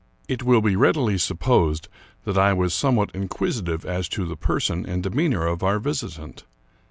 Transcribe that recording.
It will be readily supposed that I was somewhat inquisi tive as to the person and demeanor of our visitant.